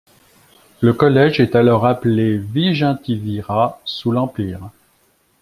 Le collège est alors appelé vigintivirat sous l'Empire.